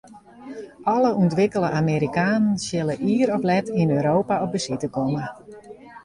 Alle ûntwikkele Amerikanen sille ier of let yn Europa op besite komme.